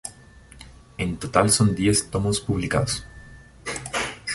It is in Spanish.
En total son diez tomos publicados.